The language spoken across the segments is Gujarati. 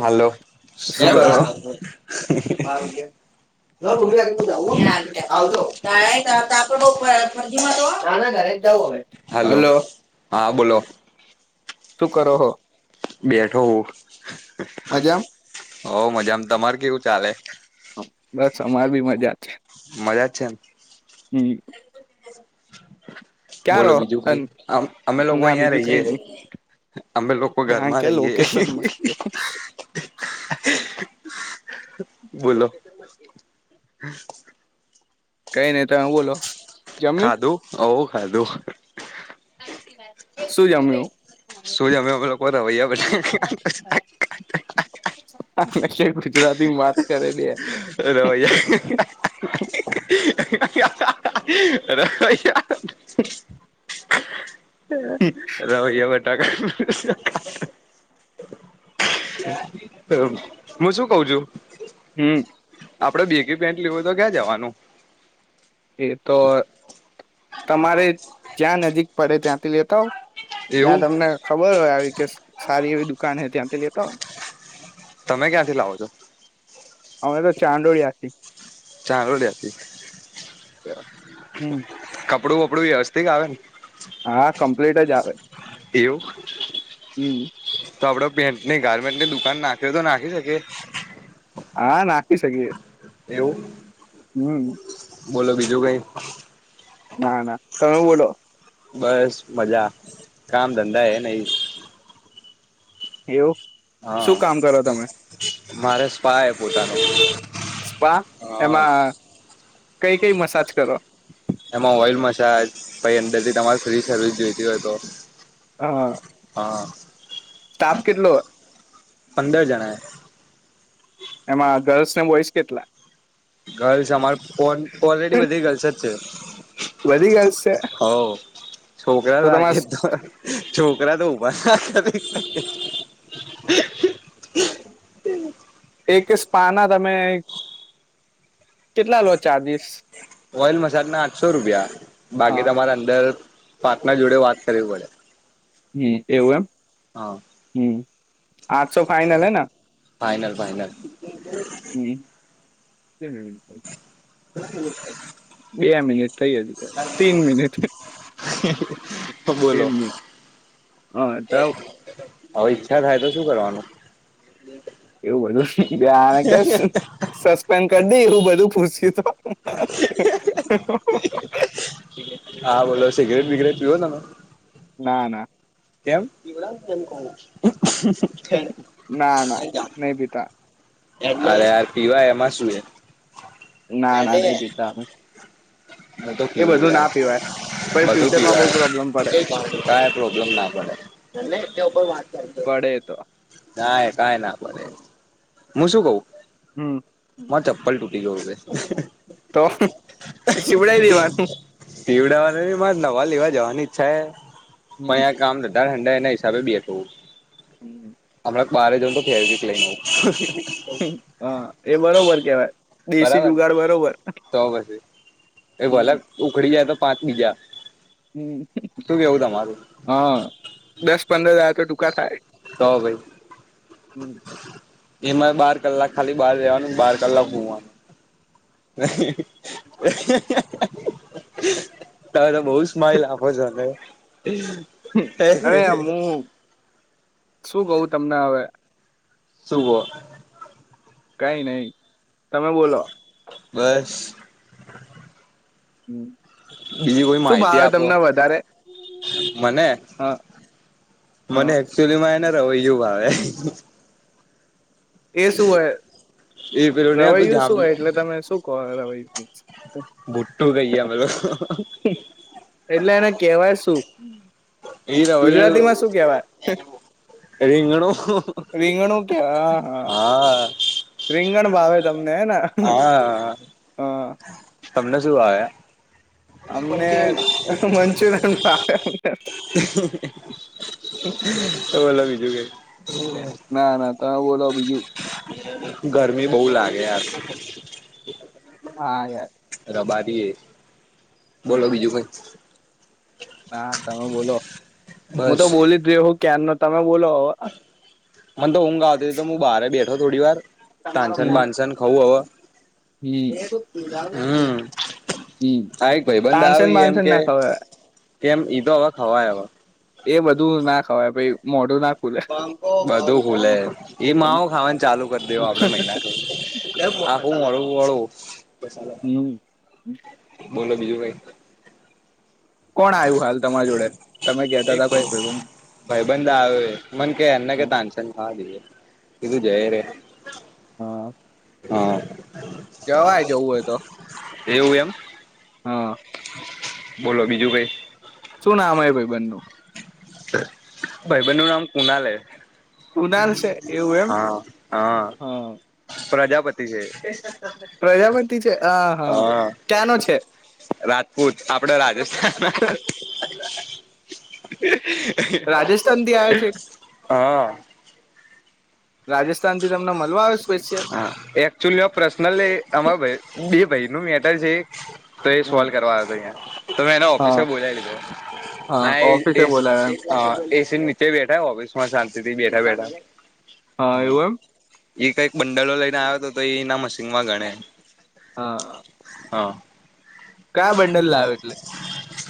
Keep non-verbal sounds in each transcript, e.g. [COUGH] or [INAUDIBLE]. હાલો શું કરો? કરો [UNINTELLIGIBLE] હાલો હલો. હા બોલો, શું કરો હો બેઠો હું. મજામ? હો હવ મજામ, મજામાં તમાર તમારે કેવું ચાલે? બસ અમારે બી મજા છે. મજા જ છે ન. હમ્મ. ક્યાં બોલો રહો બીજું કંઈ? અન આમ અમે લોકો ના અહીંયાં બીજું કઈ રહીયે છે. નઈ અમે લોકો ઘરમાં રહીએ. હ બોલો. કંઈ નહીં તમે બોલો, જમ્યુ? ઓવ ખાધું. શું જમ્યુ? શું જમ્યુ અમે લોકો રવયા ભ આને કે ગુજરાતીમ વાત કરે બે. રવૈયા રવૈયા રવૈયા બટાકા. હું શું કવ છું. હમ આપડે બેકી પેન્ટ લેવું હોય તો ક્યાં જવાનું? એ તો તમારે જ્યાં નજીક પડે ત્યાંથી લેતા આવ. જ્યાં એવું તમને ખબર હોય આવી કે સારી એવી દુકાન હે ત્યાંથી લેતાં આવ. તમે ક્યાંથી લાવો છો? અમે તો ચાંંદોળિયાથી. ચાદોળિયાથી. હમ્મ. કપડું વપડું વ્યવસ્થિત આવે ને? હા કમ્પ્લીટ જ આવે. એવું હમ તો આપડે પેન્ટની ગાર્મેન્ટની દુકાન નાખવી હોય તો નાખી શકીએ? હા નાખી શકીએ. એવું? હમ્મ. બોલો બીજું કઈ? ના ના, તમે બોલો? બસ મજા, કામ ધંધા હે નહ. એવું? શું હા કામ કરો તમે મારે સ્પાય પોતાનું સ્પા, એમાં કઈ કઈ મસાજ કરો? એમાં ઓઇલ મસાજ પહિ અંદર થી તમારી ફ્રી સર્વિસ જોઈતી હોય તો. હા. હા. સ્ટાફ કેટલો? પંદર જણા એ એમાં ગર્લ્સ ને બોયસ કેટલા? ગર્લ્સ અમારે ઓલરેડી બધી ગર્લ્સ જ છે. બધી ગર્લ્સ છે હવ. છોકરા તો લાગે તમારે તો, છોકરા તો ઉભા ન થાય. એકે સ્પા ના તમે કેટલા લો ચાર્જિસ? ઓઇલ મસાજ ના આઠસો રૂપિયા, બાકી તમારા અંદર પાર્ટનર જોડે વાત કરવી પડે. હમ્મ, એવું એમ, હા હમ્મ, આઠસો ફાઈનલ હેને? Final final. હમ્મ. બે મિનિટ થઈ હજી તો તીન મિનિટ. તો બોલો. તીન મિનિટ હા તબ. હવે ઈચ્છા થાય તો શું કરવાનું? એવું બધું આને કે સસ્પેન્ કરી દે એવું બધું પૂછ્યું તો. હ [UNINTELLIGIBLE] [INAUDIBLE] હા બોલો સિગરેટ બિગરેટ પીવો તમે? ના ના. કેમ? ના ના, નહી પીતા. અરે યાર પીવાય એમાં શું હે. ના ના નહીં પીતા અમે. હું તો એ પીવ બધું યાર, ના પીવાય પહી બધું ફ્યુચરમાં બહુ પીવાય. પ્રોબ્લેમ પડે કઈ પ્રોબ્લેમ ના પડે. પડે તો ના એ કઈ ના પડે. હું શું કવું? હમ્મ. માર ચપ્પલ તૂટી ગયુ છે. તો? સીવડાઈ દેવાનું પીવડાવવાનું માં જ નવા લેવા જવાની ઈચ્છા છે. પણ અયા કામ ઠંડા એના હિસાબે બેઠો હુ. હમણાં બારે જઉનું તો ફેવિકવિક લઈને આવ. હા એ બરોબર કેવાય, દેશી બરાબર ને જુગાર બરોબર. તો પછી. એ ભલે ઉખડી જાય તો પાંચ બીજા. હમ્મ, શું કેવું તમારું હા, દસ પંદર હજાર તો ટૂંકા થાય. તો ભાઈ હમ્મ. એમાં બાર કલાક ખાલી બહાર જવાનું બાર કલાક ગુવાનું. [INAUDIBLE] તમે તો બો સ્માઈલ આપો છોને અરે હું શું કવ તમને હવે શુ કો કાઈ નય તમે બોલો બસ હમ. બીજી કોઈ માહિતી આપો મને હ હ મને એકચુઅલીમાં એને રવેયું ભાવે એ શું હોય એ પેલું નહી આવતું રવૈયુ શું હોય જાંબલી એટલે તમે શું કહો રવૈયું? ભુટ્ટુ કહીએ અમે લોકો એટલે એને કેવાય શું? એ ગુજરાતીમાં શું કેવાય રીંગણું રીંગણું કેવાય હ હ હા. રિંગણ ભાવે તમને હેન હા હ તમને શું ભાવે? [INAUDIBLE] અમને મંચુરિયન ભાવે અમને તો બોલો બીજું કય ના ના તમે બોલો બીજું ગરમી બો લાગે યાર હા યાર રબારીએ બોલો બીજું કઈ? હા તમે બોલો હું તો બસ બોલી જ્યો હું ક્યાાર ન તમે બોલો મને તો ઊંઘ આવતી તો હું બહારે બેઠો થોડી વાર તાનસેન બાનસેન ખઉં હવે હમ હમ. હમ એક ભાઈબંધ માનસન આવી એમ બાનસન કે ના ખવાય કેમ ઈતો હવે ખવાય હવ એ બધું ના ખવાય પહી મોઢું ના ખુલે બધું બોલે એ માવ ખાવાનું ચાલુ કરી દેવ આપડે મહિના [UNINTELLIGIBLE] આ હું અળું અળું હમ. બોલો બીજું કય કોણ આવ્યું હાલ તમારી જોડે તમે કેતા એક તા ભાઈ [UNINTELLIGIBLE] ભાઈબંધ આવે મને કે એમને કે હા તાનસેન ખવા દઈએ કીધું જયરે હ. હ. જવાય જવું હોય તો એમ હ બોલો બીજું કઈ શું નામ હે ભઈબંધનું ભાઈબનનું નામ કુનાલ હૈ કુનાલ છે એવું એમ હ હ હા પ્રજાપતિ છે, પ્રજાપતિ છે હા હા હ ક્યાંનો છે રાજપૂત આપડે રાજસ્થાનના રાજસ્થાન થી આવ્યો છે હ. રાજસ્થાન થી તમને મળવા આવે સ્પેશિયલ હા એકચુલી પર્સનલે આમાં ભા બે ભાઈ નુ મેટર છે. તો એ સોલ્વ કરવા આવ તો અયા તો મેં એને હા ઓફિસે બોલાવી લીધો હા એ ઓફિસે એ બોલાવે એમ. અએસી નીચે બેઠા ઓફિસમાં શાંતિથી બેઠા બેઠા હા એવું એમ હ એ કઈક બંડલો લઈને આવ્યો તો એના મશીનમાં ગણે હા એ કા બંડલ લાવે એટલે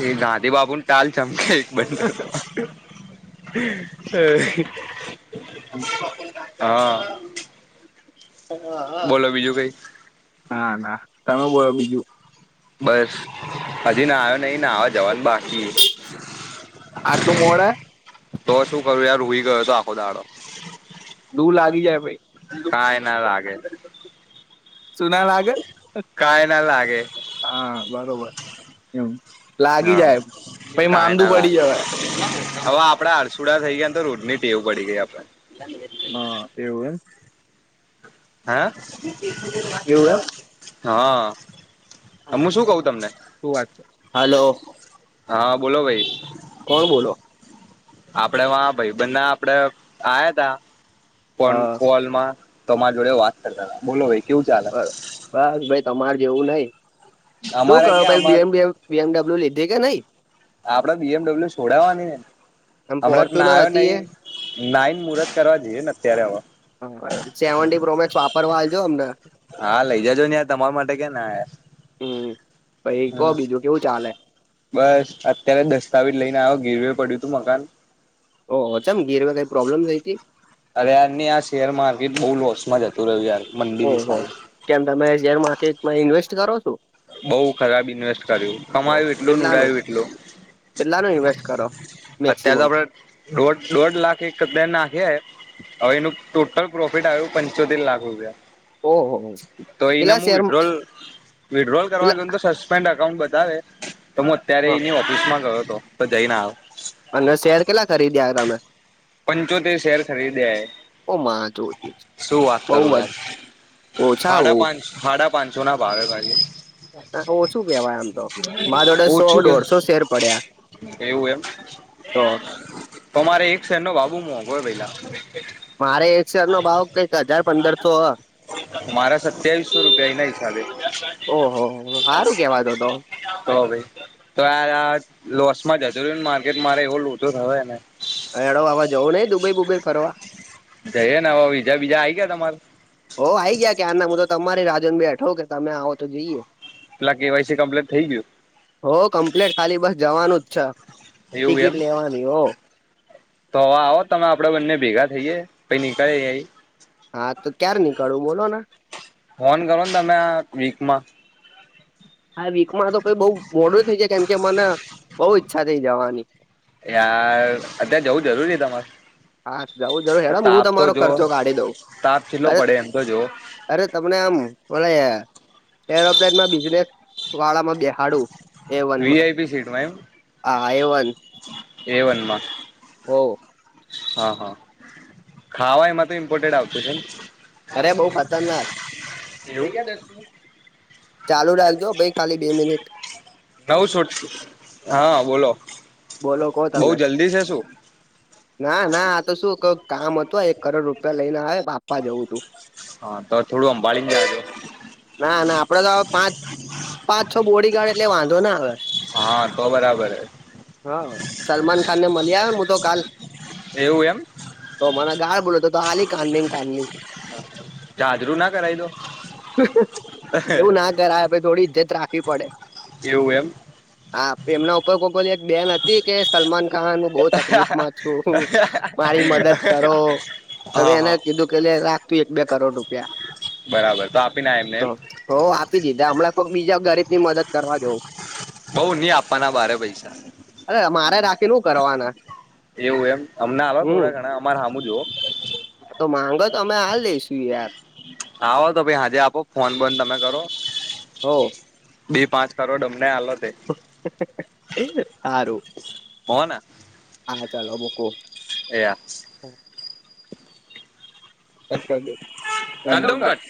એ ગાંધી બાપુ ની ટાલ ચમકે એક બડલમા હ. બોલો બીજું કઈ ના ના તમે બોલો બીજું? બસ હજી નાયો નઈ નાવા જવાનું બાકી આટલું મોડે તો શું કરું યાર હુઈ ગયો હતો આખો દાડો લૂ લાગી જાય ભાઈ હા એના ના લાગે. સુના લાગેલ કાઈ ના લાગે [INAUDIBLE] હા બરોબર એવું હા. કઈ ના પડી લાગે જવાય હવે આપડા હડસુડા થઈ ગયાને તો રોજ ની ટેવું પડી ગઈ આપણે [UNINTELLIGIBLE] હા એવું એમ હે [INAUDIBLE] હ શું વાત હલો. હા બોલો ભાઈ કોણ બોલો આપડે વા ભાઈ બધ ના આપડે આયા તા કોલ હા કોલમાં તો તમારી જોડે વાત કરતા હતા બોલો ભાઈ કેવું ચાલ બસ ભાઈ તમારે જેવું નહી શું અમારે કરો ક્યાં ભાઈ અમાર બેમ બેમ બીએમડબ્લ્યુ લીધી કે નઈ આપડે બીએમડબલ્યુ છોડાવવાની એમ હમણાં ફોર્ચ્યુનર નાયો હતી નઈ એ નાઈન મુહૂત કરવા જઈએ ને અત્યારે હવે સેવન્ટી પ્રોમેક્સ વાપરવા આલજો અમને હા લઈ જજો યાર તમે તમાર માટે કે ના હ હમ પહી કો બીજું કેવું ચાલે બસ અત્યારે દસ્તાવેજ લઈને આવ્યો ઘીરવે પડ્યું તું મકાન ઓ ઓમ ગીરમાં કઈ પ્રોબ્લેમ જઈ હતી અરે યાર ને આ શેર માર્કેટ બહુ લોસમાં જતું રહ્યું યાર મંડીની ઓહો સામે કેમ તમે શેર માર્કેટ માં ઇન્વેસ્ટ કરો છો? બઉ ખરાબ ઇન્વેસ્ટ કર્યું કમાયું એટલું ઉડાયું એટલુ કેટલા નુ ઇન્વેસ્ટ કરો અત્યારે મેક્સિમમ તો આપડે દોઢ દોઢ લાખ એક નાખયા એ હવે એનું ટોટલ પ્રોફિટ આવ્યું પંચોતેર લાખ રૂપિયા ઓહો તો એના કેટલા મુું શેર વિડ્રોલ વિડ્રોલ કરવા કેટલા ગયને તો સસ્પેન્ડ અકાઉન્ટ બતાવે તો હું અત્યારે હા એની ઓફિસમાં ગયો હતો. તો જાય ના આવ અને શેર કેટલા કરીદ્યા તમે પંચોતેર શેર ખરીદ્યા એ ઓ મા જોડી શું વાત બઉ કરું જ યાર ઓછા બઉ સાડા પાંચ સાડા પાંચસો ના ભાવે ભજ ઓછું કેવાય આમ તો માર જોડે સો દોઢસો શેર પડ્યા. ઓય તો [UNINTELLIGIBLE] તો મારે એક શેર નો બાબુ મોઘો હે ભએલા મારે એક શેર નો ભાવ કંઈક હજાર પંદરસો હ મારા સત્યાવીસસો રૂપિયા એ ના હિસાબે ઓહો હારું કેવાતો તો [INAUDIBLE] તો ભાઈ તો યાર આ લોસ માં જતો રહયોને માર્કેટ મારે એવો લોચો થયો હે ને હેડોં હવ જવું નહિ દુબઈ બુબઈ ફરવા જઈએ ને હવે બીજા બીજા આવી ગયા તમારે હો આ આવી ગયા કેયાર મુ તો તમારી રાહ જોઈન બેઠો કે તમે આવો તો જઈએ. પેલા કેવાયસી ક્મલિટ થઈ ગયું. હો કમ્પ્લેટ ખાલી બસ જવાનું જ છે. એવું ટિકિટ એમ લેવાની હો તો હવે આવો તમે આપડે બંને ભેગા થઈએે પહિ નીકળી એ હા તો ક્યાર નીકળવું બોલો ને ફોન કરો ને તમે આ વીક માં આ વીકમાં તો કોઈ બઉ મોડું થઈ છે કેમ કે મને બહુ ઈચ્છા થઈ જવાની યાર અત્યારે જવું જરૂરી છે તમારુ હા જઉં જરૂરી હે હું તમારો ખર્ચો કાઢી દઉં તાપ કેટલો અરે પડે એમ તો જોવો અરે તમને આમ ભ એરોપ્લેનમાં બિઝનેસ વાળામાં બેહાળુ એ વનમાં વીઆઈપી હા એ વન એવનમાં. હો હા હા ખાવા એમાં તો ઇમ્પોર્ટેટ આવતું છે ને અરે બઉ ખતરનાક એવું થઈ દ ચાલુ રાખજો ભાઈ ખાલી બે મિનિટ નવું [UNINTELLIGIBLE] છોટ હા બોલો બોલો કો બઉ તમે. જલ્દી છે શું ના ના આ તો શું ક કામ હતું એક કરોડ રૂપિયા લઈને આયા હા તો થોડું સંભાળીને રેજો તો ના ના આપડે તો પાંચ [UNINTELLIGIBLE] પાંચ છો બોડીગાર્ડ એટલે વાંધો ના આવે. હા તો બરા. હા સલમાન ખાનને મળી આવ હું તો કાલ. એવું એમ તો મને ગાળ બોલ્યો તો તો આલી કાનની કાનની જાજરૂ ના કરાય દવ. એવું ના કરાય આપડે થોડી ઇજ્જત રાખવી પડે. એવું એમ હા એમના ઉપર કોઈ એક બેન નથી. કે સલમાન ખાનું બોવ તકલીફમાં છું મારી મદદ કરો તમે હા એને હા કીધું કેલે રાખતું એક બે કરોડ રૂપિયા બરાબર તો આપીને એમને તો એમ હો આપી દીધા હમણાં કોક બીજા ગરીબની મદદ કરવા જવું બઉ નહી આપવાના બારે પૈસા અરે મારે રાખી હું કરવાના એવું એમ અમને આલો થોડા ઘણા અમાર હામુ જોવો હા માંગો અમે આલ દઈશું યાર. આવો તો ભાઈ આજે આપો ફોન બંધ તમે કરો. હોવ. બે પાંચ કરોડ અમને આલોતે હારુ. [UNINTELLIGIBLE] હા ચાલો મૂકું. એ હા. કટ કર દે કર દવ કટ.